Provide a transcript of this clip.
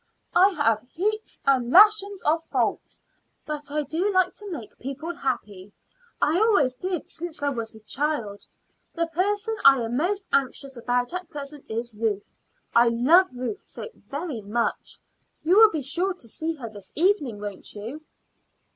"I have heaps and lashons of faults; but I do like to make people happy. I always did since I was a little child. The person I am most anxious about at present is Ruth: I love Ruth so very much. You will be sure to see her this evening, won't you?"